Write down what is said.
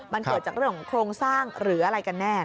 มันเกิดจากเรื่องของโครงสร้างหรืออะไรกันแน่